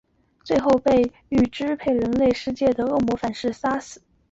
最后被欲支配人类世界的恶魔反噬杀死。